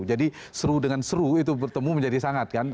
jadi seru dengan seru itu bertemu menjadi sangat kan